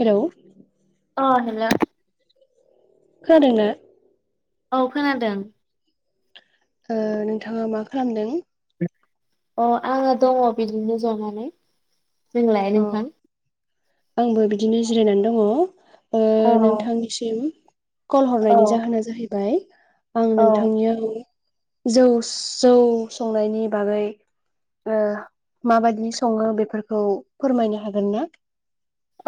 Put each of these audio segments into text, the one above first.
हेल' अ हेल खोनादोंना औ खोनादों ओ नोंथाङा मा खालामदों? अ आङो दङ बिदिनो जनानै जोंलाय अ नोंथां आंबो बिदिनो जिरायनानै दङ ओ औ नोंथांनिसिम कल औ हरनायनि जाहोना जाहैबाय आं औ नोंथांनियाव जौ जौ संनायनि बागै ओ माबादि सङो बेफोरखौ फोरमायनो हागोन ना?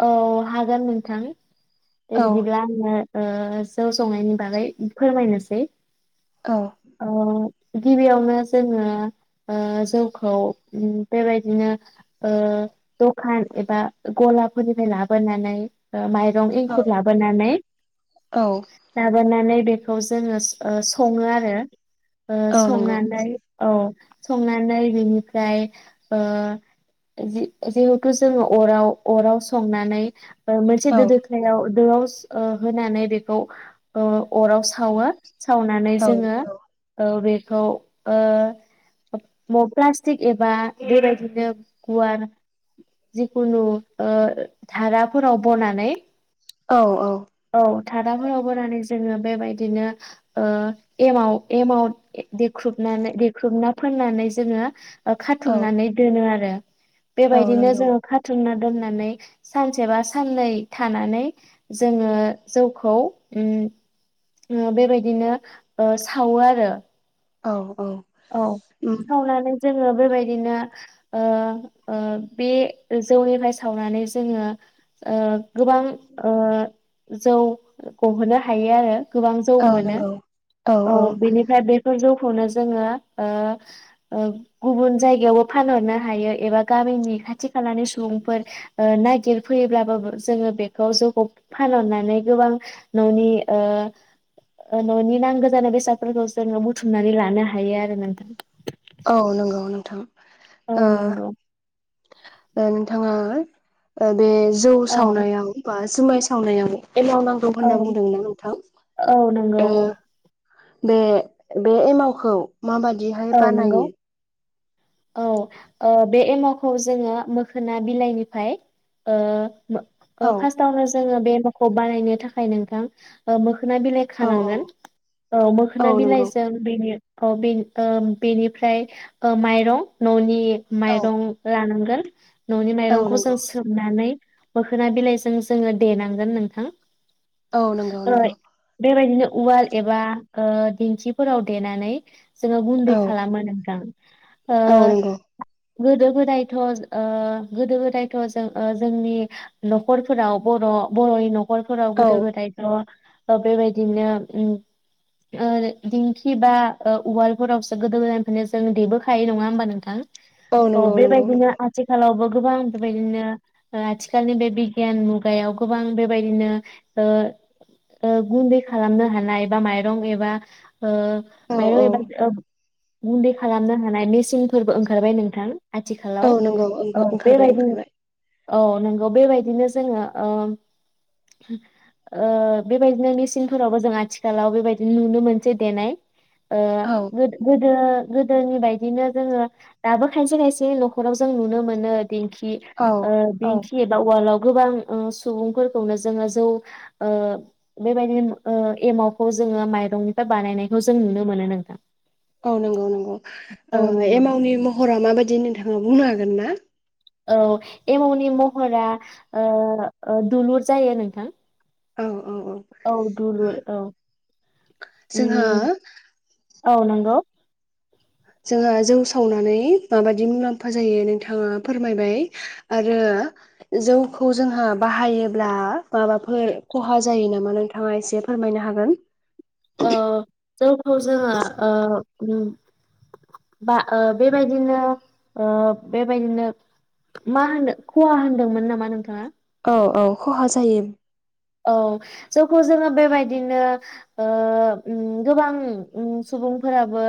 औ हागोन नोंथां दे औ बिदिब्ला आङो ओ जौ संनायनि बागै फोरमायनोसै औ अ गिबियावनो जोङो ओ जौखौ बेबायदिनो ओ दखान एबा गलाप फोरनिफ्राय लाबोनानै मायरं औ एंखुर औ लाबोनानै बेखौ जोङो सङो आरो ओ औ नंगौ संनानै औ संनानै बिनिफ्राय ओ जिहेथु जोङो अराव अराव संनानै मोनसे औ दो दोखायाव दोआव [unintelligible] होनानै बेखौ ओ अराव सावो सावनानै औ जोङो नंगौ ओ बे खौ ओ प्लास्टिक एबा बेबायदिनो गुवार जिखुनु ओ धाराफोराव बनानै औ औ। औ धाराफोराव बनानै जोङो बेबायदिनो ओ एमाव एमाव देख्रुबनानै देख्रुबना फुननानै जोङो ओ खाथुमनानै दोनो आरो। औ बेबायदिनो नंगौ जोङो खाथुमना दोननानै सानसेबा सानननै थानानै जोङो जौखौ बेबायदिनो सावो आरो औ औ औ उम सावनानै जों बेबायदिनो ओ ओ बे जौनिफ्राय सावनानै जों ओ गोबां ओ जौ गहोनो हायोआरो गोबां जौ औ मोनो नंगौ औ बेनिफ्राय बेफोर जौ खौनो जोङो ओ ओ गुबुन जायगायावबो फानहरनो हायो एबा गामिनि खाथि खालानि सुबुंफोर ओ नागिरफैयोब्लाबो जों बेखौ जौखौ फानहरनानै गोबां ननि ओ ननि नांगौ जानाय बेसादफोरखौ जों बुथुमनानै लानो हायो आरो। [unintelligible] औ नंगौ नोंथां। औ ओ नोंगौ। ओ नोंथाङा ओं बे जौ औ सावनायाव बा जुमाय सावनायाव एमाव नांगौ औ होनना बुंदोंना नोंथां औ नंगौ ओ बे बे एमावखौ माबादिहाय औ नंगौ बानायो औ ओ बे एमावखौ जों मोखोनार बिलाइनिफ्राय ओ औ फार्स्टआवनो जों बे एमावखौ बानायनो थाखाय नोंथां ओ मोख मोखोनार बिलाइ औ खानांगोन औ औ मोखोनार नंगौ बिलाइजों बेनि औ बि [inaudible] बेनिफ्राय माइरं ननि औ माइरं लानांग [inaudible] ननि औ माइरंखौ जों नंगौ सोमनानै मोखोनार बिलाइजों जों देनांगोन नोंथां औ नंगौ नंगौ [unintelligible] बेबायदिनो उवाल एबा ओ दिंखिफोराव देनानै जोङो गुन्दै औ खालामो नोंथां। ओ औ नंगौ। गोदो गोदायथ' ओ गोदो गोदायथ' जोंनि न'खरफोराव बर' बर'नि नख खरफोराव औ गोदो गोदायथ ओ बेबायदिनो उमओ दिंखि बा ओ उवालफोरावसो गोदो गोदायनिफ्रायनो जों देबोखायो नङा होनोमबा नोंथां? औ अ नंगौ नंगौ बेबायदिनो नंगौ आथिखालावबो गोबां बेबायदिनो आथिखालनि बे बिगियान मुगायाव गोबां बेबायदिनो ओ-ओ गुन्दै खालामनो हानाय एबा माइरं एबा ओ औ माइरं औ एबा गुनदै खालामनो हानाय नि फोरबो ओंखारबाय नोंथां औ आथिखालाव नंगौ औ ओंखारबाय बेबायदि ओंखारबाय औ नंगौ बेबायदिनो जोङो ओ ओ बेबायदिनो मेसिनफोरावबो जों आथिखालाव बेबायदिनो नुनो मोनसै देनाय। ओ औ गो-गोदो गोदोनि बायदिनो जोङो दाबो खायसे खायसे न'खराव जों नुनो मोनो दिंखि औ ओ औ दिंखि एबा उवालाव गोबां ओ सुबुंफोरखौनो जोङो जौ ओ बेबायदिनो ओ एमावखौ जोङो माइरंनिफ्राय बानायनायखौ जों नुनो मोनो नोंथां। औ नंगौ-नंगौ औ एमाउनि महरा माबायदि नोंथाङा बुंनो हागोन गोनना? औ एमावनि महरा ओ ओ दुलुर जायो नोंथां। औ औ औ दुलुर औ उम जोंहा औ नंगौ। जोंहा जौ सावनानै माबायदि मुलाम्फा जायो नोंथाङा फोरमायबाय आरो जौखौ जोंहा बाहायोब्ला माबाफोर खहा जायो नामा नोंथाङा एसे फोरमायनो हागोन? ओ जोंखौ जोङो ओ बा बेबायदिनो ओ बेबायदिनो मा होनो खहा होनदोंमोन नामा नोंथाङा? औ औ [unintelligible] औ जौखौ जोङो बेबायदिनो ओ उम गोबां उम सुबुंफोराबो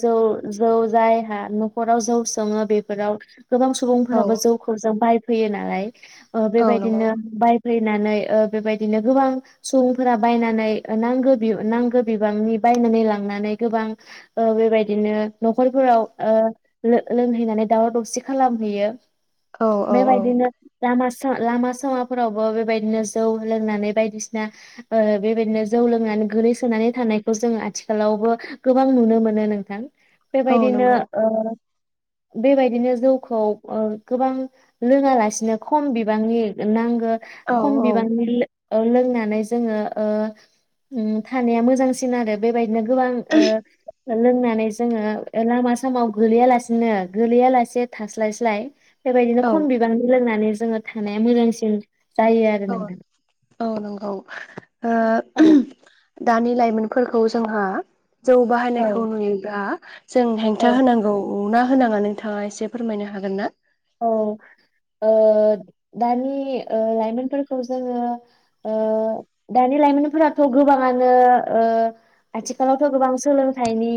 जौ जौ जायहा न'खराव जौ सङो बेफोराव गोबां औ सुबुंफोराबो जौखौ जा बाय फैयो नालाय। ओ औ नंगौ बेबायदिनो बाय फैनानै ओ बेबायदिनो गोबां सुबुंफोरा बायनानै नांगो बि नांगो बिबांनि बायनानै लांनानै गोबां ओ बेबायदिनो न'खरफोराव ओ लो-लोंहैनानै दावराव दावसि खालामहैयो। औ औ औ बेबायदिनो दाम सा लामा-सामाफोरावबो बेबायदिनो जौ लोंनानै बायदिसिना ओ बेबायदिनो जौ लोंनानै गोलैसोनानै थानायखौ जों आथिखालावबो गोबां नुनो मोनो नोंथां। औ बेबायदिनो नंगौ ओ बेबायदिनो जौखौ गोबां लोङालासिनो खम बिबांनि नांगौ औ ओ खम बिबां लो ओ लोंनानै जोङो ओ थानाया मोजांसिन आरो बेबायदि नो गोबां ओ लोंनानै जोङो लामा सामायाव गोलैया लासेनो गोलैया लासे थास्लायस्लाय बेबायदिनो औ खम बिबांनि लोंनानै जोङो थानाया मोजांसिन जायो आरो नो औ औ नंगौ ओ औ उम दा - नि लाइमोनफोरखौ जोंहा जौ औ बाहायनायखौ नुयोब्ला जों औ हेंथा होनांगौ अ ना होनाङा नोंथाङा एसे फोरमायनो हागोन ना? औ। ओ दानि ओ लाइमोनफोरखौ जोङो ओ दानि लाइमोनफोराथ' गोबाङानो ओ आथिखालावथ' गोबां सोलोंथाइनि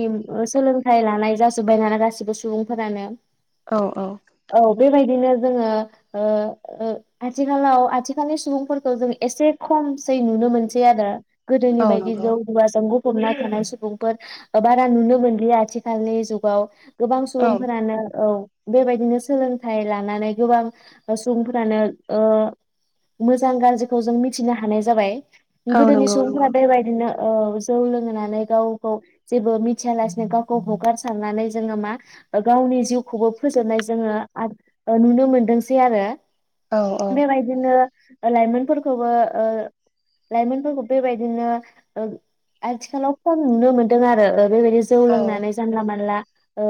सोलोंथाइ लानाय जाजोब्बाय दाना गासैबो सुबुंफोरानो औ औ औ बेबायदिनो जोङो आथिखालाव आथिखालनि सुबुंफोरखौ जों एसे खमसै नुनो मोनसै आरो औ गोदोनिबायदि नंगौ जौ जुवाजों गफ बना थानाय सुबुंफोर बारा नुनो मोनलिया आथिखालनि जुगाव गोबां औ सुबुंफोरानो औ बेबायदिनो सोलोंथाइ लानानै गोबां सुबुंफोरानो ओ मोजां गाज्रिखौ जों मिथिनो हानाय जाबाय। औ गोदोनि नंगौ सुबुंफोरा नंगौ बेबायदिनो औ जौ लोंनानै गावखौ जेबो मिथिया लासेनो गावखौ हगारसारनानै जोङो मा गावनि जिउखौबो फोजोबनाय जोङो [unintelligible] नुनो मोनदोंसै आरो औ औ बेबायदिनो लाइमोनफोरखौबो लाइमोनफोरखौ बेबायदिनो आथिखालाव खम नुनो मोनदों आरो बेबायदि जौ औ लोंनानै जानला मोनला ओ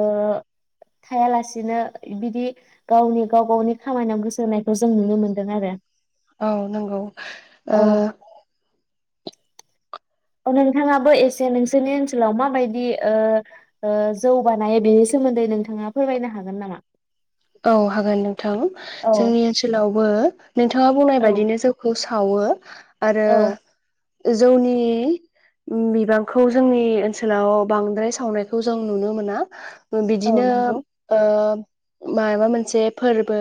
थाया लासिनो बिदि गावनि गाव गावनि खामानियाव गोसो होनायखौ जों नुनो मोनदों आरो औ नंगौ ओ औ औ नोंथाङाबो एसे नोंसोरनि ओनसोलाव माबायदि जौ बानायो बेनि सोमोन्दै नोंथाङा फोरमायनो हागोन नामा? औ हागोन नोंथां औ जोंनि ओनसोलावबो नोंथाङा बुंनाय औ बायदिनो जौखौ सावो आरो औ जौनि बिबांखौ जोंनि ओनसोलाव बांद्राय सावनायखौ जों नुनो मोना। औ बिदिनो नंगौ ओ माबा मोनसे फोरबो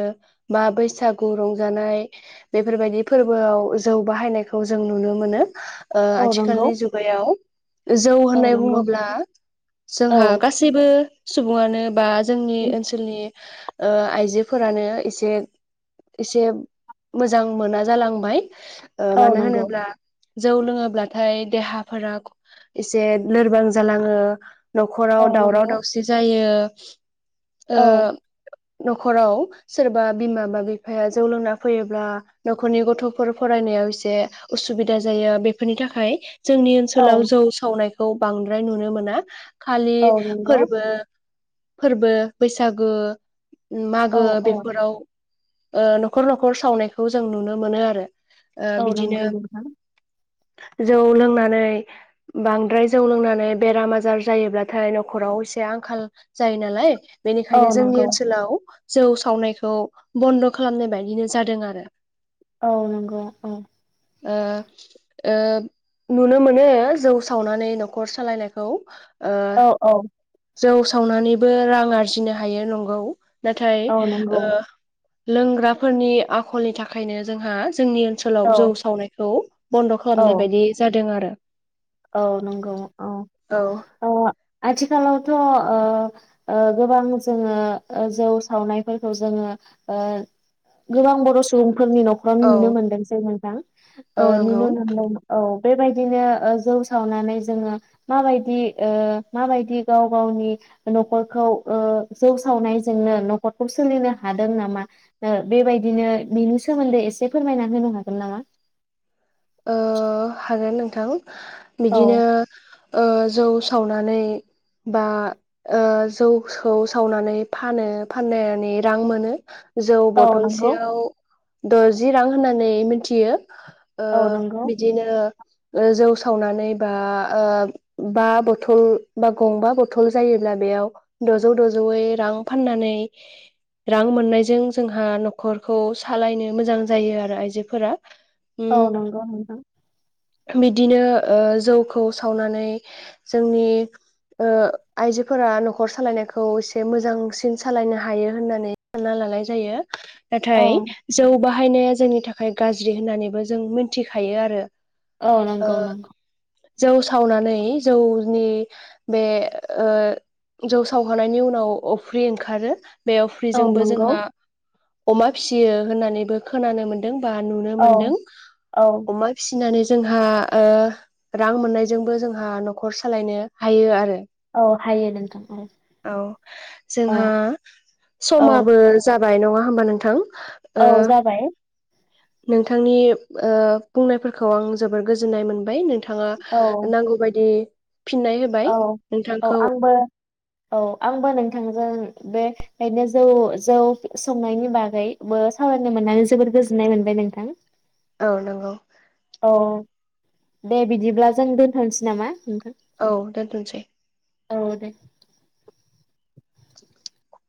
बा बैसागु रंजानाय बेफोरबायदि फोरबोआव जौ बाहायनायखौ जों नुनो मोनो। ओ औ नंगौ आथिखालनि जुगायाव जौ औ होननाय नंगौ बुङोब्ला औ जोंहा गासैबो सुबुङानो बा स जोंनि ओनसोलनि ओ आइजोफोरानो एसे एसे मोजां मोना जालांबाय। ओ मानो नंगौ होनोब्ला जौ लोङोब्लाथाय देहाफोरा एसे लोरबां जालाङो। नखराव औ दावराव नंगौ दावसि जायो। [unintelligible] [inaudible] ओ औ न'खराव सोरबा बिमा बा बिफाया जौ लोंना फैयोब्ला न'खरनि गथफोर फरायनायाव एसे उसुबिदा जायो बेफोरनि थाखाय जोंनि औ ओनसोलाव जौ सावनायख खौ बांद्राय नुनो मोना। खालि नंगौ फोरबो फोरबो बैसागो औ मागो औ बेफोराव ओ न'खर न'खर सावनायखौ जों नुनो मोनो आरो। ओ औ बिदिनो नंगौ नोंथां। जौ लोंनानै बांद्राय जौ लोंनानै बेराम आजार जायोब्लाथाय नखराव एसे आंखाल जायो नालाय औ बेनिखायनो जोंनि नंगौ ओनसो आथिखालाव जौ सावनायखौ बन्द खालामनाय बायदिनो जादों आरो। औ नंगौ, औ। ओ ओ नुनो मोनो जौ सावनानै नखर सालायनायखौ। औ औ। जौ सावनानैबो रां आरजिनो हायो, नंगौ। नाथाय औ नंगौ ओ लोंग्राफोरनि आखलनि थाखायनो जोंहा जोंनि औ ओनसोलाव जौ सावनायखौ बन्द खालामनाय औ बायदि जादों आरो औ नंगौ औ औ औ आथि खालावथ' ओ ओ गोबां जोङो ओ जौ सावनायफोरखौ जोङो ओ गोबां बर' सुबुं फोरनि नखरावनो औ नुनो मोनदों जेनेबा औ ओ नंगौ नुनो मोनदों औ बेबायदिनो ओ जौ सावनानै जोङो माबायदि ओ माबायदि गाव गावनि नखरखौ ओ जौ सावनायजोंनो नखरखौ सोलिनो हादों नामा ओ बेबायदिनो बेनि सोमोन्दै एसे फोरमायना होनो हागोन नामा? ओ हागोन नोंथां। औ बिदिनो ओ जौ सावनानै बा ओ जौ सौ सावनानै फानो फाननानै रां मोनो जौ औ नंगौ बथलसेयाव द'जि रां होननानै मिनथियो, ओ औ नंगौ बिदिनो ओ जौ सावनानै बा ओ बा बथल बा गंबा बथल जायोब्ला बेयाव दजौ दजौयै रां फाननानै रां मोननायजों जोंहा न'खरखौ सालायनो मोजां जायो आरो आइजोफोरा, औ उम नंगौ नोंथां, बिदिनो ओ जौखौ सावनानै जोंनि ओ आइजोफोरा नखर सालायनायखौ एसे मोजांसिन सालायनो हायो होननानै सानना लानाय जायो औ नाथाय जौ बाहा हायनाया जोंनि थाखाय गाज्रि होननानैबो, जों मिनथिखायो आरो औ ओ नंगौ नंगौ जौ सावनानै जौनि बे ओ जौ सावखांनायनि उनाव अफ्रि ओंखारो। बेयाव औ फ्रिजोंबो नंगौ जोंहा, अमा फिसियो होननानैबो खोनानो मोन्दों बा नुनो औ मोन्दों औ अमा फिसि फिनानै जोंहा ओ रां मोननायजोंबो जोंहा न'खर सालायनो हायो आरो। औ हायो नोंथां औ [inaudible] औ औ जोंहा औ समाबो जाबाय नङा, होमबा नोंथां ओ औ जाबाय नोंथांनि ओ बुंनायफोरखौ आं जोबोर गोजोननाय मोनबाय नोंथां औ थाङो नांगौ बायदि फिननाय होबाय औ औ नोंथांखौ आंबो औ आंबो नोंथांजों बे बेनो जौ जौ संनायनि बागैबो सावरायनो मोननानै जोबोर गोजोननाय मोनबाय नोंथां। औ नंगौ। औ दे बिदिब्ला जों दोनथनोसै नामा? औ दोन्थनोसै औ दे। [inaudible]